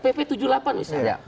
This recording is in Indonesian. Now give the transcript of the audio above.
pp tujuh puluh delapan misalnya